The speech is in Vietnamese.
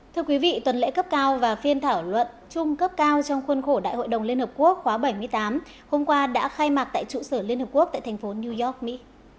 thưa quý vị tuần lễ cấp cao và phiên thảo luận chung cấp cao trong khuôn khổ đại hội đồng liên hợp quốc khóa bảy mươi tám hôm qua đã khai mạc tại trụ sở liên hợp quốc tại thành phố new york mỹ